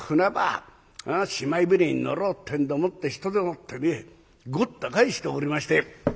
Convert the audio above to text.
船に乗ろうってんでもって人でもってねごった返しておりまして。